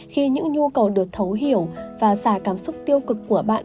khi những nhu cầu được thấu hiểu và giải cảm xúc tiêu cực của bạn